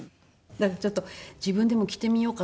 だからちょっと自分でも着てみようかと思って。